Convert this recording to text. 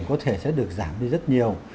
có thể sẽ được giảm đi rất nhiều